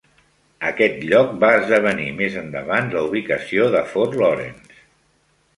Aquest lloc va esdevenir més endavant la ubicació de Fort Laurens.